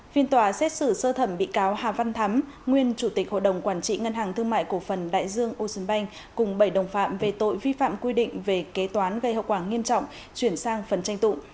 phiên tòa xét xử sơ thẩm bị cáo hà văn thắm nguyên chủ tịch hội đồng quản trị ngân hàng thương mại cổ phần đại dương ocean bank cùng bảy đồng phạm về tội vi phạm quy định về kế toán gây hậu quả nghiêm trọng chuyển sang phần tranh tụ